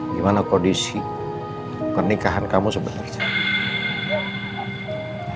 gimana kondisi pernikahan kamu sebenarnya